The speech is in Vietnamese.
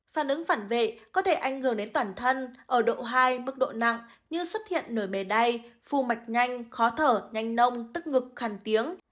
phản ứng phản vệ có thể ảnh hưởng đến toàn thân ở độ hai mức độ nặng như xuất hiện nổi bề đay phu mạch nhanh khó thở nhanh nông tức ngực khằn tiếng